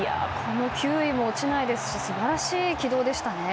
球威も落ちないですし素晴らしい起動でしたね。